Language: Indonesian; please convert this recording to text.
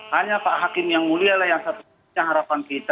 hanya pak hakim yang mulia lah yang satu satunya harapan kita